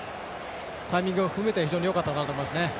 タイミングを含めて非常によかったのかなと思います。